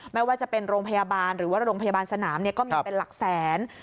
ไม่ว่าจะเป็นโรงพยาบาลหรือว่าโรงพยาบาลสนามก็มีเป็นหลักแสน